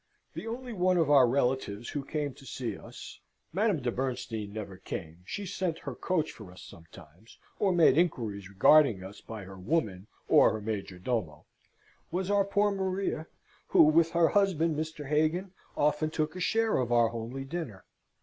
The only one of our relatives who came to see us (Madame de Bernstein never came; she sent her coach for us sometimes, or made inquiries regarding us by her woman or her major domo) was our poor Maria, who, with her husband, Mr. Hagan, often took a share of our homely dinner.